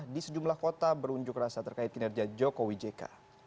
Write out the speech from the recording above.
di sejumlah kota berunjuk rasa terkait kinerja jokowi jk